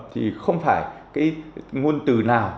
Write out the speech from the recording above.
thì không phải cái nguồn từ nào